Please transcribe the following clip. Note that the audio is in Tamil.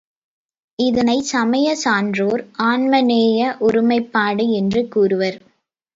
இதனைச்சமயச் சான்றோர் ஆன்மநேய ஒருமைப்பாடு என்று கூறுவர்.